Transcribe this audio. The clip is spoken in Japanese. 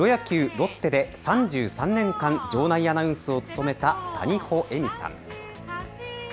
ロッテで３３年間場内アナウンスを務めた谷保恵美さん。